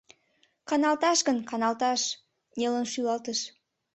— Каналташ гын, каналташ, — нелын шӱлалтыш.